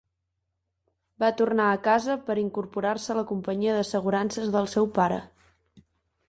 Va tornar a casa per incorporar-se a la companyia d'assegurances del seu pare.